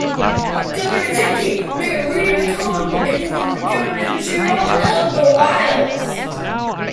Governor Tim Kaine, Mayor Rudy McCollum, and former governor Gerald L. Baliles.